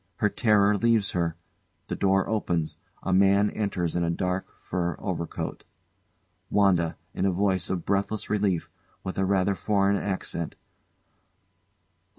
Her terror leaves her. The door opens; a man enters in a dark, fur overcoat.] WANDA. [In a voice of breathless relief, with a rather foreign accent] Oh!